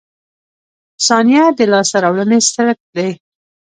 • ثانیه د لاسته راوړنې څرک دی.